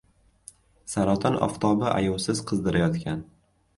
Saraton oftobi ayovsiz qizdirayotgan